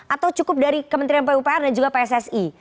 atau cukup dari kementerian pupr dan juga pssi